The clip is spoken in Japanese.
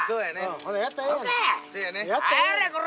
ほなやったらええやん。